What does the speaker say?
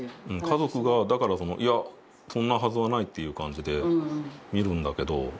家族がだからいやそんなはずはないっていう感じで見るんだけど。